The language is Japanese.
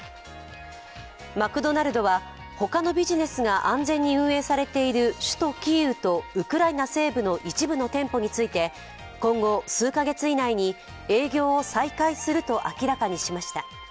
マクドナルドは、他のビジネスが安全に運営されている首都キーウとウクライナ西部の一部の店舗について今後、数カ月以内に営業を再開すると明らかにしました。